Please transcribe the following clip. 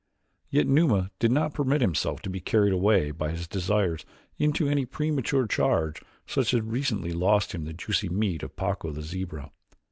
Yet Numa did not permit himself to be carried away by his desires into any premature charge such as had recently lost him the juicy meat of Pacco, the zebra.